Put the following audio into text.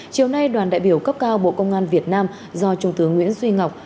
chiều nay đoàn đại biểu cấp cao bộ công an việt nam do trung tướng nguyễn duy ngọc